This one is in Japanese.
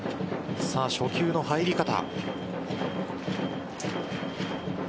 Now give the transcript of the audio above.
初球の入り方。